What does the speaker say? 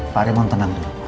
pak raymond tenang dulu